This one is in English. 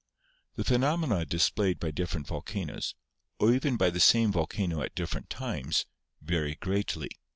The phenomena displayed by different volcanoes, or even by the same volcano at different times, vary greatly.